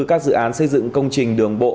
các dự án xây dựng công trình đường bộ